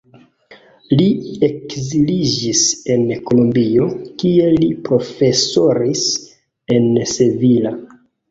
Li ekziliĝis en Kolombio, kie li profesoris en Sevilla.